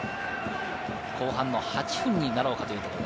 後半の８分になろうというところ。